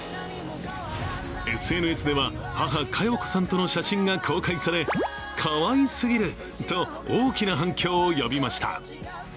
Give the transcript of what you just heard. ＳＮＳでは母・加代子さんとの写真が公開されかわいすぎると、大きな反響を呼びました。